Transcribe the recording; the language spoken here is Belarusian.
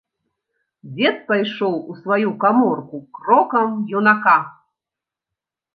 Дзед пайшоў у сваю каморку крокам юнака.